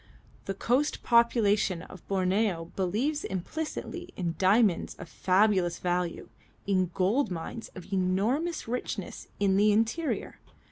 The coast population of Borneo believes implicitly in diamonds of fabulous value, in gold mines of enormous richness in the interior.